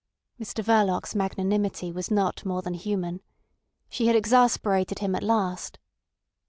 Mr Verloc's magnanimity was not more than human. She had exasperated him at last.